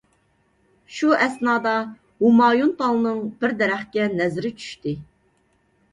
شۇ ئەسنادا ھۇمايۇن پالنىڭ بىر دەرەخكە نەزىرى چۈشتى.